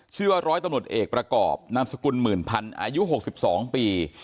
ชื่อว่าร้อยตำรวจเอกประกอบนามสกุลหมื่นพันธ์อายุ๖๒ปี